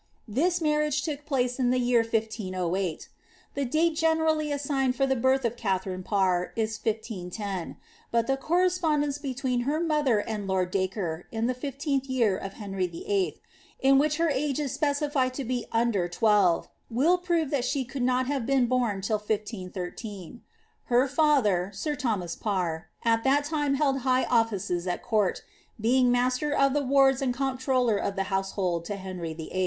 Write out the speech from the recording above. This marriage took place in the year 1508. The date generally assigned for the birUi of Katharine Parr is 1510 ; but the correspondence between her mother and lord Dacre, in the fifteenth year of Henry VIII, in which her age is specified to be under twelve,' will prove that shi could not have been born till 1513. Her father, sir Thomas Parr, at that time held high offices at court, being master of the wards and comptroller of the household to Henry VIII.